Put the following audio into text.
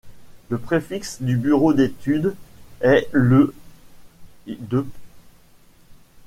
Le préfixe du bureau d'études est le Il.